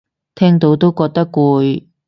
聽到都覺得攰